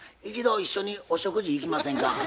一度一緒にお食事行きませんか？